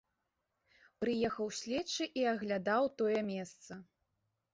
Прыехаў следчы і аглядаў тое месца.